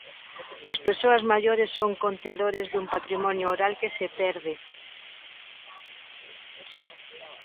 As persoas maiores son contedores dun patrimonio oral que se perde.